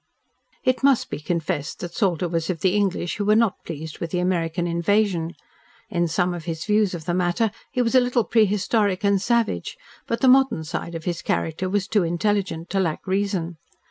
It must be confessed that Salter was of the English who were not pleased with the American Invasion. In some of his views of the matter he was a little prehistoric and savage, but the modern side of his character was too intelligent to lack reason.